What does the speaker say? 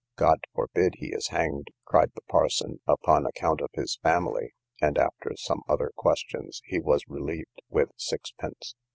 God forbid he is hanged, cried the parson, upon account of his family; and after some other questions, he was relieved with sixpence.